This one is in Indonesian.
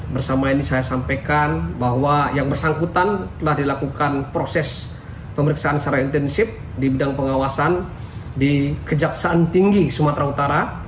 bersama ini saya sampaikan bahwa yang bersangkutan telah dilakukan proses pemeriksaan secara intensif di bidang pengawasan di kejaksaan tinggi sumatera utara